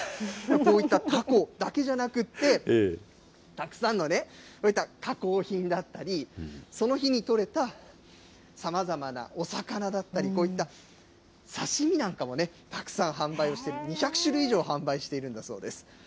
こういったタコだけじゃなくて、たくさんのね、こういった加工品だったり、その日に取れたさまざまなお魚だったり、こういった刺身なんかもたくさん販売をしている、２００種類以上販売しているんだそうです。